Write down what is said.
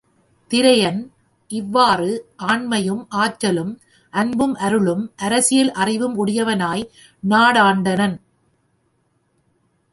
திரையன், இவ்வாறு, ஆண்மையும் ஆற்றலும், அன்பும் அருளும், அரசியல் அறிவும் உடையவனாய் நாடாண்டனன்.